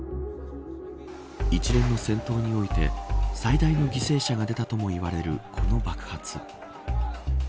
一連の戦闘において最大の犠牲者が出たともいわれるこの爆発。